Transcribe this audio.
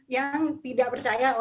yang tidak percaya